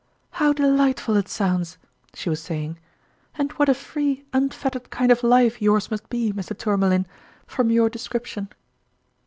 " How delightful it sounds," she was saying, "and what a free, unfettered kind of life yours must be, Mr. Tourmalin, from your de scription